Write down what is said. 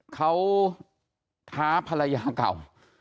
เขาท้าภรรยาเก่า